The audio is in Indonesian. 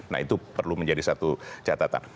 nah itu perlu menjadi satu catatan